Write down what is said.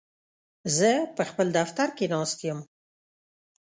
زه په خپل دفتر کې ناست یم.